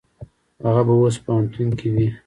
هغه به اوس پوهنتون کې وي.